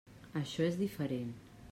Això és diferent.